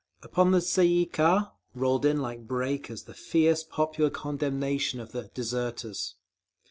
Upon the Tsay ee kah rolled in like breakers the fierce popular condemnation of the "deserters."